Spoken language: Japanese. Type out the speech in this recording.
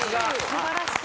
素晴らしい。